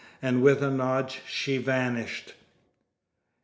And with a nod she vanished.